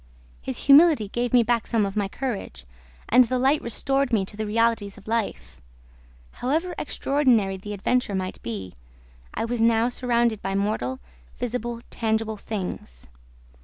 His humility gave me back some of my courage; and the light restored me to the realties of life. However extraordinary the adventure might be, I was now surrounded by mortal, visible, tangible things.